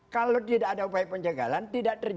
kalau tidak ada upaya penjagalan tidak terjadi